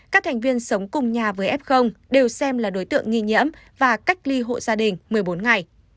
các thành viên sống cùng nhà với f đều xem là đối tượng nghi nhiễm và cách ly hộ gia đình một mươi bốn ngày